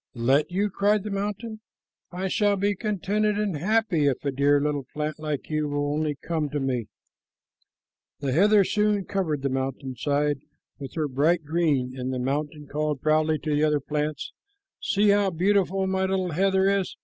"Let you?" cried the mountain. "I shall be contented and happy if a dear little plant like you will only come to me." The heather soon covered the rocky mountain side with her bright green, and the mountain called proudly to the other plants, "See how beautiful my little heather is!"